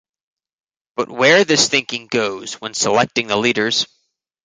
But where this thinking goes when selecting the leaders.